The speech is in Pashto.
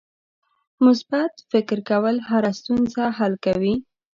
مثبت فکر کول هره ستونزه حل کوي.